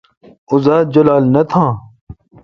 اوزات جولال نہ تھان۔